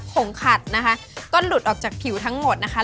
ผงขัดนะคะก็หลุดออกจากผิวทั้งหมดนะคะ